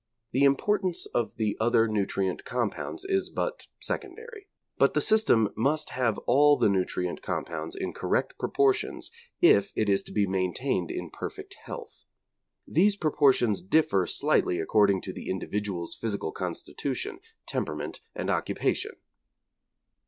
The importance of the other nutrient compounds is but secondary. But the system must have all the nutrient compounds in correct proportions if it is to be maintained in perfect health. These proportions differ slightly according to the individual's physical constitution, temperament and occupation.